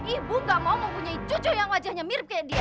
ibu enggak mau mempunyai cucu yang wajahnya mirip kayak dia